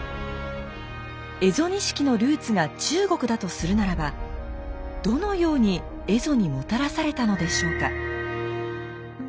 蝦夷錦のルーツが中国だとするならばどのように蝦夷にもたらされたのでしょうか。